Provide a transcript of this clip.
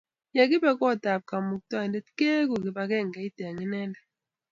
Ye kibe kot ab Kamuktaindet keeku kibagengeit eng Inendet